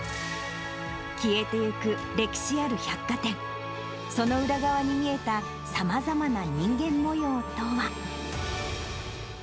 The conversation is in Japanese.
消えていく歴史ある百貨店、その裏側に見えたさまざまな人間もようとは。